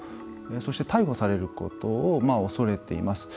そして、逮捕されることを恐れています。